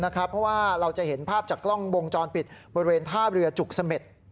เพราะว่าเราจะเห็นภาพจากกล้องวงจรปิดบริเวณท่าเรือจุกเสม็ด